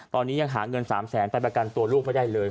ตอนนี้ยังหาเงิน๓แสนไปประกันตัวลูกไม่ได้เลย